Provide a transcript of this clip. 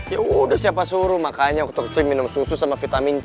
ya udah siapa suruh makanya waktu kecil minum susu sama vitamin c